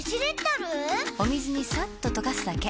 お水にさっと溶かすだけ。